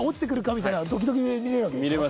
みたいなドキドキで見れるわけでしょ？